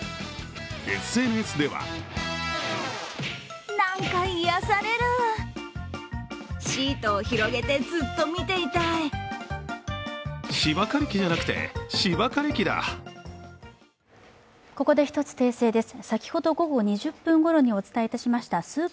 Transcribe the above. ＳＮＳではここで１つ訂正です。